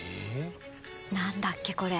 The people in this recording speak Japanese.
何だっけこれ。